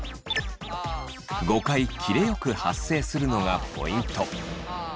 ５回切れよく発声するのがポイント！